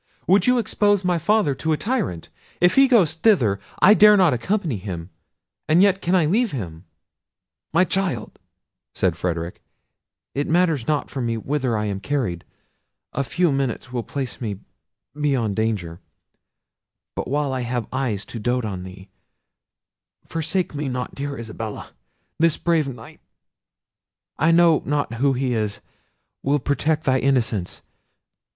Would you expose my father to the tyrant? If he goes thither, I dare not accompany him; and yet, can I leave him!" "My child," said Frederic, "it matters not for me whither I am carried. A few minutes will place me beyond danger; but while I have eyes to dote on thee, forsake me not, dear Isabella! This brave Knight—I know not who he is—will protect thy innocence.